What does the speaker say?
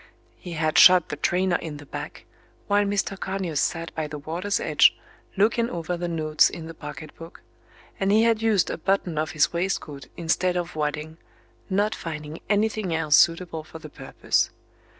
He had shot the trainer in the back while Mr. Conyers sat by the water's edge looking over the notes in the pocket book, and he had used a button off his waistcoat instead of wadding, not finding anything else suitable for the purpose.